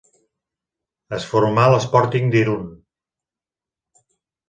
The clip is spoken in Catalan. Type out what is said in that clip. Es formà a l'Sporting d'Irun.